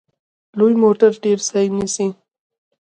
لوی موټر ډیر ځای نیسي.